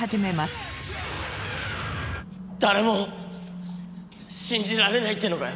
誰も信じられないって言うのかよ。